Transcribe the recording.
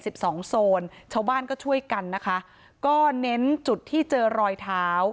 สิบสองโซนชาวบ้านก็ช่วยกันนะคะก็เน้นจุดที่เจอรอยเท้า